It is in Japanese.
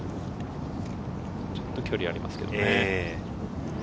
ちょっと距離がありますけどね。